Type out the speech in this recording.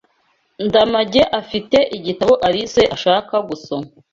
Ndamage afite igitabo Alice ashaka gusoma.